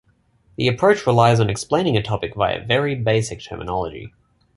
The approach relies on explaining a topic via very basic terminology.